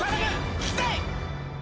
聴きたい！